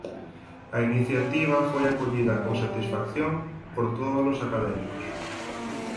A iniciativa foi acollida con satisfacción por todos os académicos.